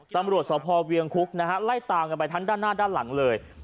ตำรวจสพเวียงคุกนะฮะไล่ตามกันไปทั้งด้านหน้าด้านหลังเลย